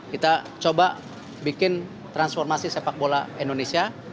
kita coba bikin transformasi sepak bola indonesia